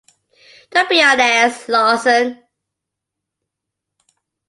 Don't be an ass, Lawson.